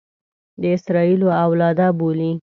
د اسراییلو اولاده بولي.